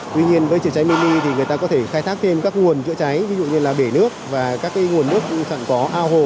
tuy nhiên với chữa cháy mini thì người ta có thể khai thác thêm các nguồn chữa cháy ví dụ như là bể nước và các nguồn nước sẵn có ao hồ